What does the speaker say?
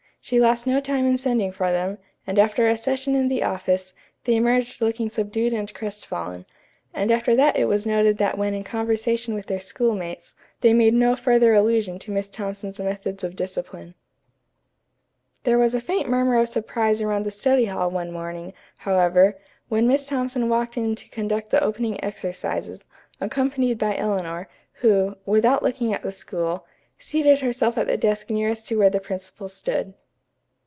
She lost no time in sending for them, and after a session in the office, they emerged looking subdued and crestfallen; and after that it was noted that when in conversation with their schoolmates, they made no further allusion to Miss Thompson's methods of discipline. There was a faint murmur of surprise around the study hall one morning, however, when Miss Thompson walked in to conduct the opening exercises, accompanied by Eleanor, who, without looking at the school, seated herself at the desk nearest to where the principal stood.